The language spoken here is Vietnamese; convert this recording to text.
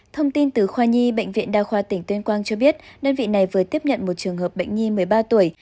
thông tin từ khoa nhi bệnh viện đa khoa tỉnh tuyên quang cho biết đơn vị này vừa tiếp nhận một trường hợp bệnh nhi một mươi ba tuổi